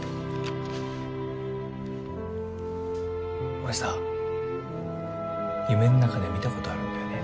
俺さ夢ん中で見たことあるんだよね